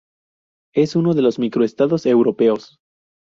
Es uno de los microestados europeos.